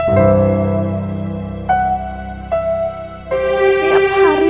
setiap hari mama masuk ke kamar ini